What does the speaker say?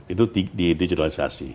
itu di digitalisasi